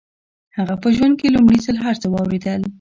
هغه په ژوند کې لومړي ځل هر څه واورېدل.